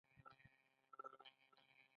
له هر څه مخکې لمرینه درملنه اړینه ده، چې روغ شې.